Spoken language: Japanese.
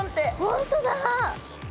本当だ！